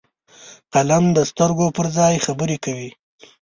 قلم د سترګو پر ځای خبرې کوي